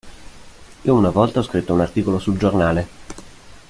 Io una volta ho scritto un articolo sul giornale.